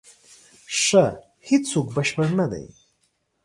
ښه، هیڅوک بشپړ نه دی.